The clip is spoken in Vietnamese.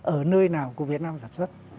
ở nơi nào của việt nam sản xuất